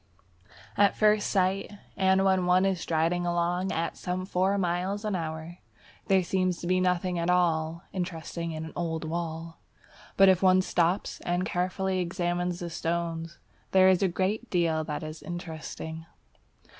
At first sight, and when one is striding along at some four miles an hour, there seems to be nothing at all interesting in an old wall. But if one stops and carefully examines the stones, there is a great deal that is interesting.